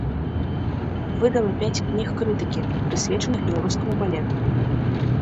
Выдала пяць кніг крытыкі, прысвечаных беларускаму балету.